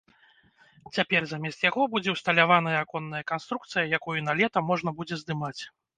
Цяпер замест яго будзе ўсталяваная аконная канструкцыя, якую на лета можна будзе здымаць.